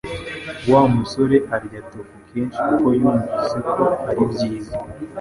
Wa musore arya tofu kenshi kuko yumvise ko ari byiza